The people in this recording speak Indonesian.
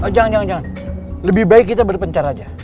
jangan jangan lebih baik kita berpencar aja